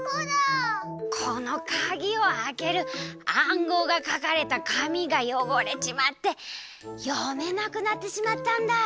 このかぎをあける暗号がかかれたかみがよごれちまってよめなくなってしまったんだ。